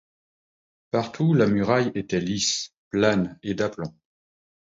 Partout la muraille était lisse, plane et d’aplomb